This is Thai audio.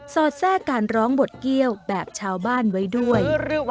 อดแทรกการร้องบดเกี้ยวแบบชาวบ้านไว้ด้วย